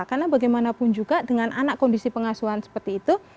karena bagaimanapun juga dengan anak kondisi pengasuhan seperti itu